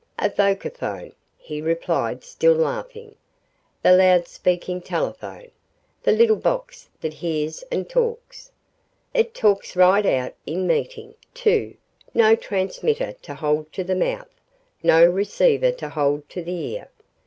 "A vocaphone," he replied, still laughing, "the loud speaking telephone, the little box that hears and talks. It talks right out in meeting, too no transmitter to hold to the mouth, no receiver to hold to the ear.